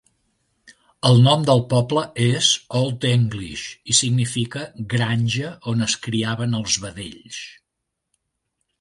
El nom del poble és Old English i significa "granja on es criaven els vedells".